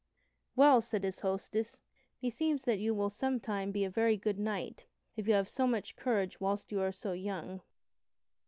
"Well," said his hostess, "meseems that you will sometime be a very good knight, if you have so much courage whilst you are so young."